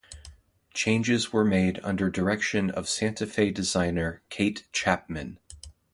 Changes were made under direction of Santa Fe designer Kate Chapman.